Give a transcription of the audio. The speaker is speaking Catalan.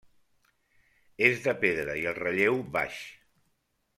És de pedra i el relleu baix.